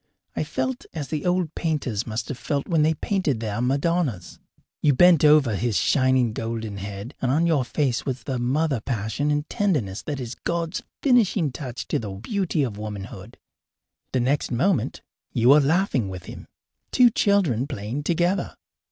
I felt as the old painters must have felt when they painted their Madonnas. You bent over his shining golden head, and on your face was the mother passion and tenderness that is God's finishing touch to the beauty of womanhood. The next moment you were laughing with him two children playing together.